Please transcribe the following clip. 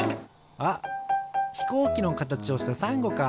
あっひこうきのかたちをしたさんごか。